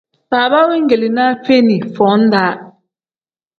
Baaba wengilinaa feeni foo-daa.